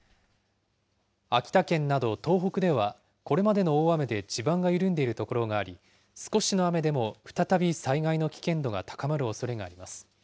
秋田県など東北では、これまでの大雨で地盤が緩んでいる所があり、少しの雨でも再び災害の危険度が高まるおそれがあります。